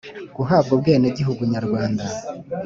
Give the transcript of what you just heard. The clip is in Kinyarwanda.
Guhabwa ubwenegihugu nyarwanda